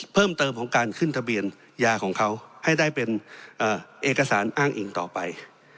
เพิ่มเติมของการขึ้นทะเบียนยาของเขาให้ได้เป็นเอกสารอ้างอิงต่อไป